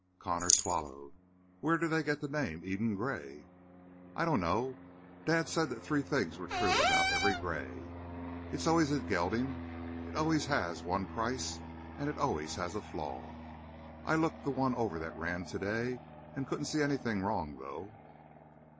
Connor swallowed. "Where do they get the name Eden Gray?" "I don't know. Dad said that three things were true about every gray. It's always a gelding; it's always one price, and it always has a flaw. I looked the one over that ran to day and couldn't see anything wrong, though."